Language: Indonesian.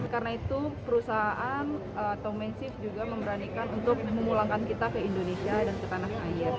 karena itu perusahaan atau menship juga memberanikan untuk memulangkan kita ke indonesia dan ke tanah air